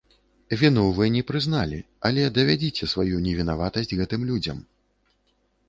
Віну вы не прызналі, але давядзіце сваю невінаватасць гэтым людзям.